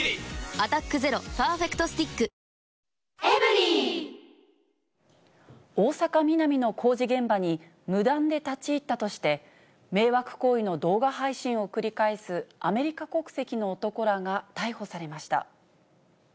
「ｄプログラム」大阪・ミナミの工事現場に無断で立ち入ったとして、迷惑行為の動画配信を繰り返すアメリカ国籍の男らが逮捕されました。